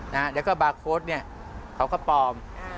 นะฮะและก็บาร์โคสน์เขาก็เปล่า